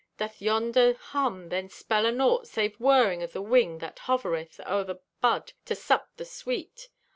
Doth yonder hum then spell anaught, Save whirring o' the wing that hovereth O'er thy bud to sup the sweet?